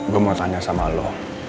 gue mau tanya sama lo